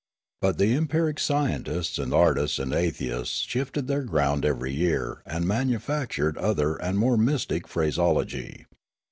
But the empiric scientists and artists and aesthetes shifted their ground ev^ery year and manufactured other and more mystic phraseology.